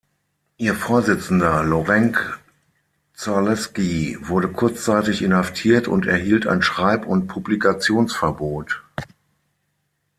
Ihr Vorsitzender Lorenc-Zalěski wurde kurzzeitig inhaftiert und erhielt ein Schreib- und Publikationsverbot.